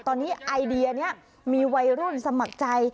ตอนนี้ไอเดียนี้มีวัยรุ่นสมัครใจ